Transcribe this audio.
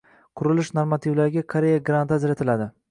Qurilish normativlariga Koreya granti ajratiladi